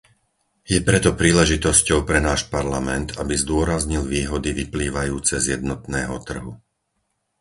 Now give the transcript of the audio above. Je preto príležitosťou pre náš Parlament, aby zdôraznil výhody vyplývajúce z jednotného trhu.